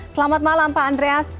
selamat malam pak andreas